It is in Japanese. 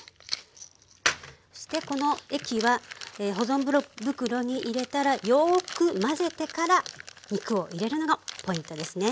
そしてこの液は保存袋に入れたらよく混ぜてから肉を入れるのがポイントですね。